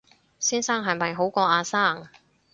先生係咪好過阿生